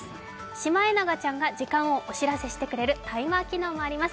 シマエナガちゃんが時間をお知らせしてくれるタイマー機能もあります。